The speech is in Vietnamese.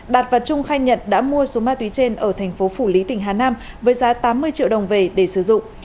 đạt và trung khai nhận đã mua số ma túy trên ở thành phố phủ lý tỉnh hà nam với giá tám mươi triệu đồng về để sử dụng